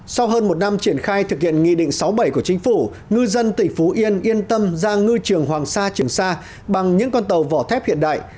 sau hơn một năm triển khai thực hiện nghị định sáu bảy của chính phủ ngư dân tỉnh phú yên yên tâm ra ngư trường hoàng sa trường sa bằng những con tàu vỏ thép hiện đại